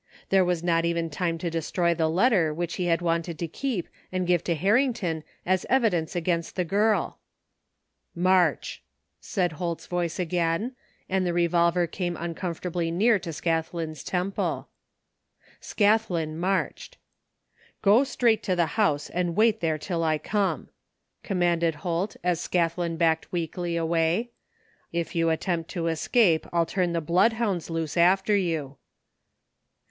There was not even time to destroy the letter which he had wanted to keep and give to Harrington as evidence against the girl. " March !" said Holt's voice again, and the re volver came imcomfortably near to Scathlin's temple. Scathlin marched. " Go straight to the house and wait there till I come," commanded Holt as Scathlin backed weakly away. "If you attempt to escape Til turn the bloodhounds loose after you."